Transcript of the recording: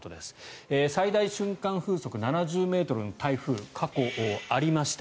最大瞬間風速７０ｍの台風過去ありました。